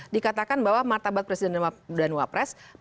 dikatakan bahwa martabat presiden dan wapres